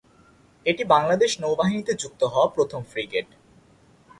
এটি বাংলাদেশ নৌ বাহিনীতে যুক্ত হওয়া প্রথম ফ্রিগেট।